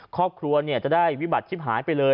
ครอบครัวจะได้วิบัติชิบหายไปเลย